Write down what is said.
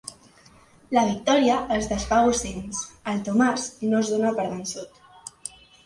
La victòria es desfà a bocins, el Tomàs no es dóna per vençut.